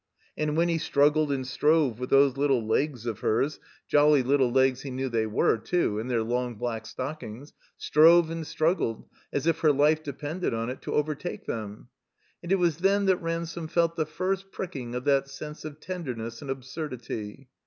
And Winny struggled and strove with those Kttle legs of hers G^Uy Kttle legs he knew they were, too, in their long black stockings), strove and struggled, as if her life depended on it, to overtake them. And it was then that Ransome felt the first pricking of that sense of tenderness and absurdity.